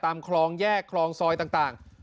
คลองแยกคลองซอยต่าง